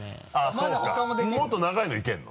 そうかもっと長いのもいけるの？